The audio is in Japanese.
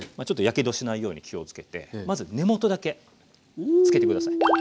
ちょっと火傷しないように気をつけてまず根元だけつけてください。